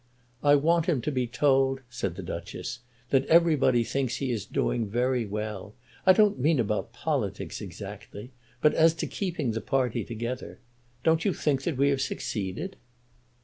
"I want him to be told," said the Duchess, "that everybody thinks that he is doing very well. I don't mean about politics exactly, but as to keeping the party together. Don't you think that we have succeeded?"